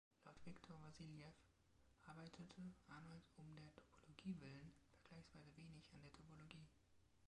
Laut Victor Vassiliev arbeitete Arnold um der Topologie willen vergleichsweise wenig an der Topologie.